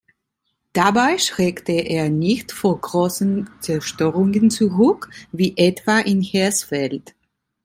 Dabei schreckte er nicht vor großen Zerstörungen zurück, wie etwa in Hersfeld.